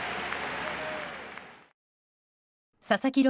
佐々木朗